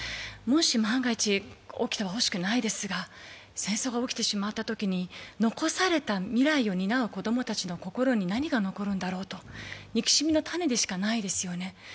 もし万が一、起きてほしくはないですが戦争が起きてしまったときに、残された未来を担う子どもたちに何が残るんだろうと、憎しみの種でしかないですよね。